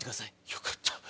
よかった。